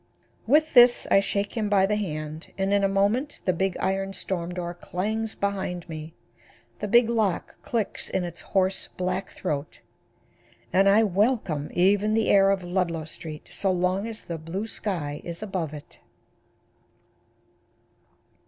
With this I shake him by the hand and in a moment the big iron storm door clangs behind me, the big lock clicks in its hoarse, black throat and I welcome even the air of Ludlow street so long as the blue sky is above it.